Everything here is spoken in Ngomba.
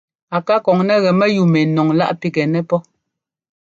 A ká kɔŋ nɛ gɛ mɛyúu mɛ nɔŋláꞌ pigɛnɛ pɔ́.